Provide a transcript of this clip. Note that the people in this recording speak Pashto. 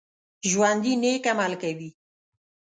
ژوندي نیک عمل کوي